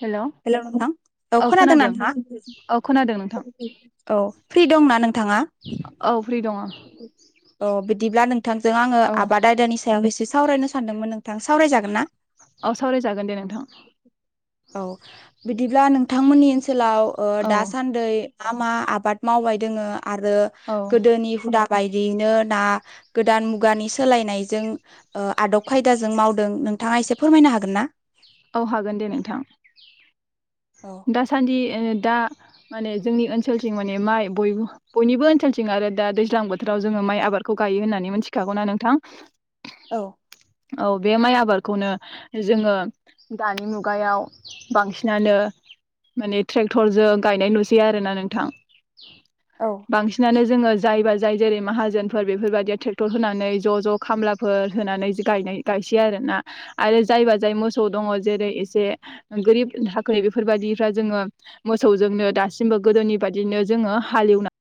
हेल' औ खोनादों औ खोनादों नोंथां औ फ्रि औ फ्रि दङ अ बिदिब्ला नोंथांजों आङो औ आबाद आयदानि सायाव एसे सावरायनो सानदोंमोन नोंथां सावरायजागोन ना औ सावरायजागोन दे नोंथां औ बिदिब्ला नों नोंथांमोनि ओनसोलाव औ दासान्दै मा मा आबाद मावबाय दोङो आरो औ गोदोनि बायैनो ना गोदान मुानि सोलायनायजों आदब खायदाजों मावदों नोंथांङा एसे फोरमायनो हागोन ना औ हागोन दे नोंथां औ दासान्दि दा माने जोंनि ओनसोलथिं माने माइ बयनिबो ओनसोलथिं आरो दा दैज्लां बोथोराव जोंङो माइ आबादखौ ग यो होननानै मिथिखागौना नोंथां औ औ बे माइ आबादखौनो जोंङो दानि मुगायाव बांसिनानो माने ट्रेक्टरजों गायनाय नुसै आरोना नोंथां औ बांसिनानो जोंङो जायबा जाय जेरै माहाजोनफोर बेफोरबायाददिया ट्रेक्टर होनानै ज' ज' खामलाफोर होनानै गाय गायसै आरो जायबा जाय एसे गोरिब थाखोनि बेफोरबायाददिफ्रा जोंङो मोसौजोंनो दासिमबो गोदोनि बायिनो जोंङो हालेवनानै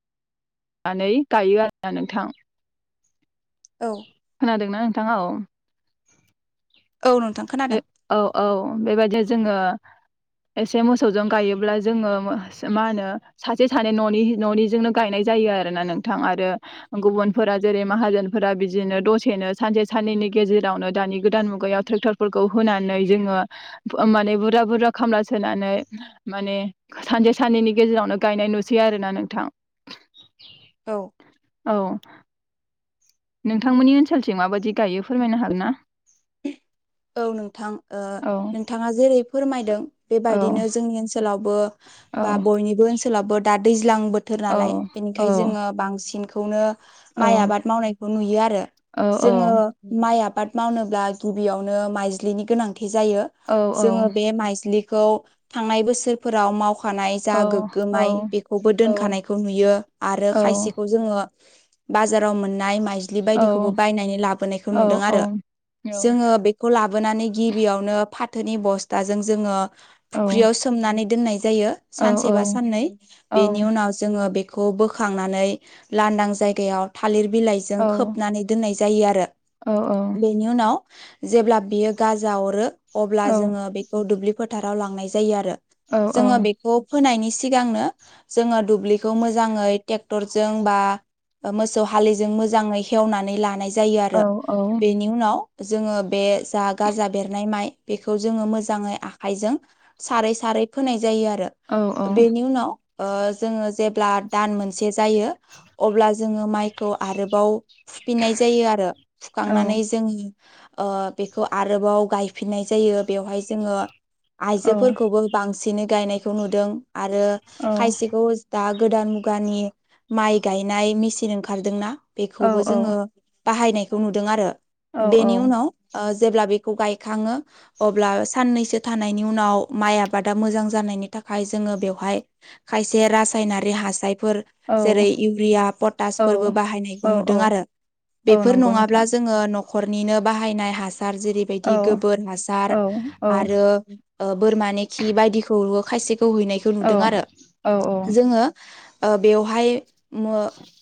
गायो आरोना नोंथां औ खोनादोंना [unintelligible] औ नोंथां बे खोनादों औ औ बेबायदि जोंङो एसे मोसौजों गायोब्ला जोंङो मा होनो सासे सानै न'नि न'निजोंनो गायनाय जायो जायो आरोना नोंथां आरो गुबुनफोरा जेरै माहाजोनफोरा बिदिनो दसेनो सानसे सानननि गेजेरावनो दानि गोद मुगायाव ट्रेक्टर फोरखौ होनानै बुराजा बुरजा खामला सोनानै माने सानसे साननैनि गेजेरावनो गायनाय नुसै आरो ना नोंथां [inaudible] औ औ नोंथांमोननि ओनसोलथिं माबायदि गायो फोरमायनो हागोन ना औ नोंथां औ नोंथांङा जेरै फोरमायदों औ बेबायदिनो जोंनि ओनसोलाव औ बा बयनिबो ओनसोलावबो दा दैज्लां बोथोर औ नालाय औ बेनिखायनो जोंङो बांसिन नो औ माइ आबाद मावनायखौ नुयो आरो जोंङो औ माइ आबाद आबाद मावनोब्ला गिबियावनो माइज्लिनि गोनांथि जायो जो बे माइजिलि खौ थांनाय बोसोरफोराव माव होखानाय औ जा गोगो माय औ बेखौबो औ दोनखानायखौ नुयो आरो औ खायसेखौ जोंङो बाजाराव मोननाय मा माइजिलि औ बायदिखौबो औ नुदों औ आरो जोंयो नानै गिबियावनो फाथोनि बसथाजों जोंयो औ फख्रियाव सोमनानै सान औ औ सेबा बेनि उनाव जोंयो खौ बोखांनानै लांदां जायगायाव थालिर बिलाइजों खोबनानै दोननाय जायो । आरो औ - औ बेनि उनाव जेब्ला बियो गाजा अरो अब्ला जोंङो बेखौ दुब्लि फोथाराव लांनाय जायो आरो जोंङो बेखौ फोनायनि सि सिगांनो जोंङो दुब्लिखौ मोजाङै ट्रेक्टरजों बा मोसौ हालैजों मोजांङै हेवनानै लानाय जायो आरो बेनि उनाव जोंङो बे जा गाजा बेरनाय माइ बेखौ जोङो मोजांङै आखाइजों सारै सारै फोनाय जायो आरो बेनि उनाव जों जेब्ला दान मोनसे जायो अब्ला जोंङो माइखौ आरोबाव फुफिननाय जायो आरो फुखांनानै जोंङो बेखौ आरोबाव गायफिननाय जायो बेवहाय जोंङो आइजोफोरखौबो बांसिन खसेनो गायनायखौ नुदों आरो खायसेखौ दा गोदान मुगानि माइ गायनाय मेचन ओंखारदोंना बेखौबो जोंङो बाहायनायखौ नुदों आरो औ - बेनि औ उनाव जेब्ला बेखौ गायखाङो अब्ला साननैसो थानायनि उनाव माइ आबादा मोजां जायो जानायनि थाखाय जोंयो बेहाय खायसे रासायनारि हा फोर जेरै इउरिया पटासफोरबो औ बाहायनायखौ औ नुदों आरो औ बेफोर नंगौ नङाब्ला नोंथां जोङो न'खरनिनो बाहाय--। आरो औ जेरैबादि गोबोर हासार औ औ आरो बोरमानि खि बायदिखौबो खायस--। सेखौ हैनायखौ औ नुदों आरो औ जोङो ओ बेवहाय। मो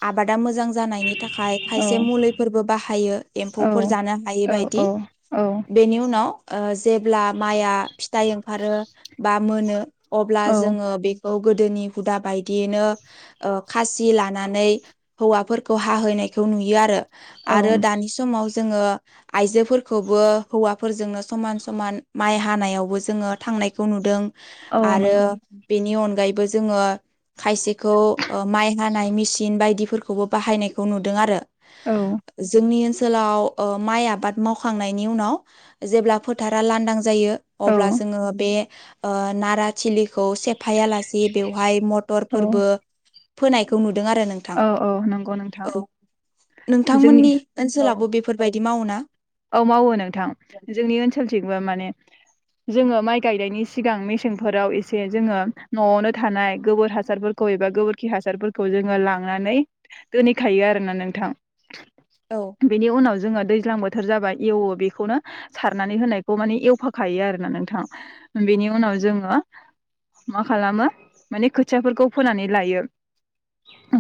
आबादा मोजां जानायनि थाखाय खायसे मुलिफोरबो बाहायो एम्फौफोर जानो। औ हायोबायदि। बेनि उनाव ओ जेब्ला माइआ फिथाइ ओंखारो बा मोनो अब्ला। जोंङो बे--। गोदोनि हुदा बायदियैनो खासि लानानै हौवाफोरखौ हाहोनो। नायखौ नुयो आरो आरो दानि समाव जोङो। आइजोफोरखौबो हौवाफोरजोंनो समान समान माइ हानायावबो जोङो थांनायखौ नुदों। आरो नंगौ बेनि अनगायैबो जोङो। खायसेखौ माइ हानाय मिसिन बायदिफोरखौबो बाहायनायखौ नुदों आरो। औ जोंनि ओनसोलाव ओ। माइ आबाद मावखांनायनि उनाव जेब्ला फोथारा लांदां जायो अब्ला औ जोङो बे। ओ नाराथिलिखौ सेफायालासि बेवहाय औ मटरफोरबो। फोनायखौ नुद--। दों आरो नोंथां औ औ नंगौ नोंथां औ जोंनि नोंथांमोननि औ ओनसोलावबो बेफोर। बिदि मावोना। औ मावो नोंथां जोंनि ओनसोलथिंबो माने। जोङो माइ गायनायनि सिगां मेसेंफोराव इसे जोङो न'आवनो थानाय गोबोर हासारफोरखौ। बबेबा गोबोरखि हासारफोरखौ जोङो लांनानै दोनहैखायो आरोना नोंथां। औ बेनि उनाव जोङो दैज्लां बोथ--। बोथोर जाबा एवो बेखौनो सारनानै होनायखौ माने एवफाखायो आरोना नोंथां बेनि उनाव। जोंङो मा खालामो माने खोथियाफोरखौ फोनानै लायो।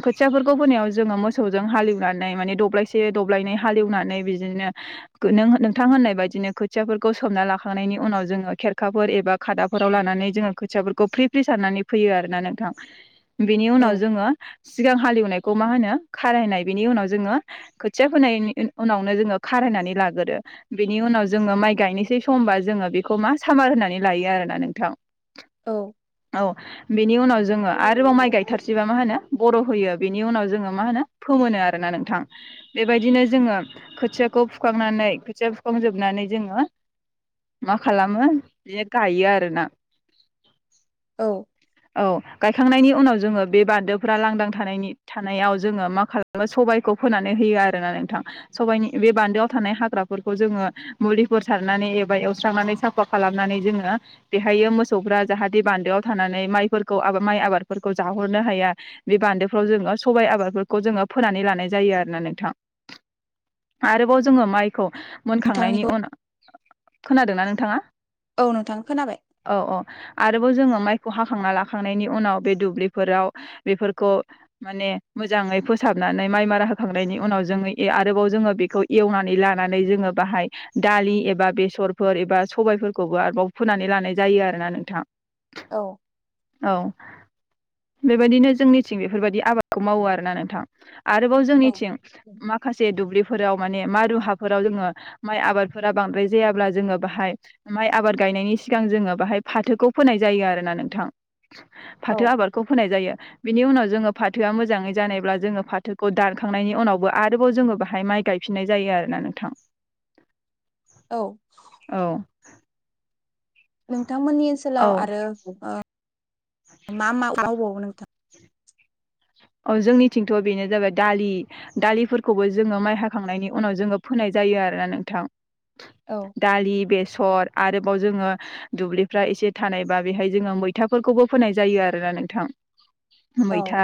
खोथियाफोरखौ फोनायाव जोङो मोसौजों हालेवनानै माने दब्लायसे दब्लायनै हालेवनानै बिदिनो। गो नों नोंथां होननाय बायदिनो खोथियाफोरखौ सोमना लाखांनायनि उनाव जोङो खेरखाफोर एबा खादाफ--। फोराव लानानै जोङो खोथियाफोरखौ फ्रि फ्रि सारनानै फैयो आरोना नोंथां। बेनि औ उनाव जोङो सिगां हालिवो। नाय खौ मा होनो खारायनाय बिनि उनाव जोङो खोथि फोनायनि उनावनो जों। खारायनानै लागोरो बेनि उनाव जोंङो माइ गायनोसै समबा जोङो बेखौ मा सामार होनानै लायो आरो। ना नोंथां। औ औ बेनि उनाव जोङो आरोबाव माइ गायथारसैबा मा होनो बर'। बिनि उनाव जोङो मा होनो फोमोनो आरोना नोंथां बेबायदिनो जोंङो खोथिया। खौ फुखांनानै खोथिया फुखांजोबनानै जोङो। मा खालामो बे गायो आरोना। औ। औ गायखांनायनि उनाव जोङो बे बान्दोफोरा लांदां थानायनि थानायाव जोङो मा खालामो स--। सबायखौ फोनानै होयो आरोना नोंथां सबायनि बे बान्दोआव थानाय हाग्राफोरखौ जोङो मुलिफोर सारना--। बा एवस्रांनानै साफा खालामनानै जोङो बेहायो मोसौफ्रा जाहाथे बान्दोआव थानानै। मायफोरखौ माय आबाद जाहरनो हाया बे बान्दोफ्राव जों सबाय आबाद जो फोनान--। रामनाम जायो आरो ना नोंथां आरो बाव जों मायत। खौ मोनखांनायनि नोंथांनिखौ उनाव खोनादोंना नोंथाङा। औ नोंथां खोनाबाय औ औ आरोबाव जोङो माइ। खौ हाखांना लाखांनायनि उनाव बे दुब्लिफोराव बेफोरखौ माने मोजाङै फोसाब नानै माइ मारा होखांनायनि उनाव जोङो आरोबाव जोङो बेखौ एवनानै लानानै जोङो बाहाय दा लि एबा बेसरफोर एबा सबबायफोरखौबो आरोबाव फोनानै लानाय जायो आरोना नोंथां औ औ बेबायदिनो जोंनिथिं बेफोरबायदि आबादखौ मावो आरोना नोंथां आरोबाव औ जोंनिथिं माखासे दुब्लि फोराव माने मारु हाफोराव जोङो माय आबादफोरा बांद्राय जायाब्ला जोङो बाहाय माय आबाद गाय नायनि सिगां जोङो बाहाय फाथोखौ फोनाय जायो आरो ना नोंथां औ फाथो आबादखौ फोनाय जायो बिनि उनाव जोङो फाथोआ मोजाङै जानायब्ला जोङो फाथोखौ दानखांनायनि उनावबो आरोबाव जोङो बाहाय माइ गाय फिनाय जायो आरोना नोंथां औ औ नोंथांमोननि ओनसोलाव आरो ओ मा मा आवबावो नोंथां अ जोंनिथिंथ बेनो जाबाय दालि दालिफोरखौबो जोङो माइ हाखांनायनि उनाव जोङो फोनाय जायो जायो आरोना नोंथां औ दालि बेसर आरोबाव जोङो दुब्लिफ्रा एसे थानायबा बेहाय जोङो मैथाफोरखौबो फोनाय जायो आरोना नोंथां [inaudible] औ मैथा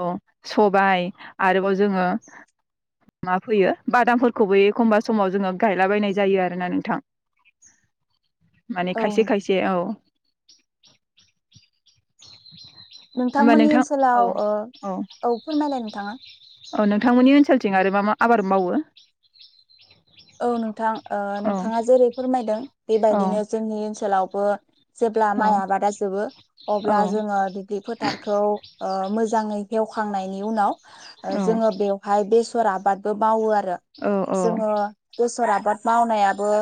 औ सबाय आरोबाव जोङो मा फोयो बादामफोरखौबो एखमबा समाव जोङो गायलाबायनाय जायो आरोना नोंथां [inaudible] माने खायसे औ खायसे औ होमबा नोंथांमोननि नोंथां औ ओनसोलाव ओ औ फोरमायलाय नोंथाङा औ नोंथांमोननि ओनसोलथिं आरोबा मा आबाद मावो औ नोंथां ओ औ नोंथाङा ओ जेरै फोरमायदों औ बेबायदिनो जोंनि ओनसोलावबो जेब्ला औ माइ आबादा जोबो औ अब्ला जोङो दुब्लि फोथारखौ ओ मो जाङैे मावखांनायनि उनाव औ जोङो बेवहाय बेसर आबादबो मावो आरो औ औ जोङो बोसोर आबाद मावनायाबो